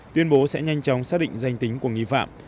tuyên bố sẽ nhanh chóng xác định danh tính của nghi phạm